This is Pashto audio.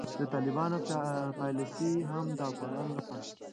د طالبانو پالیسي هم د افغانانو لپاره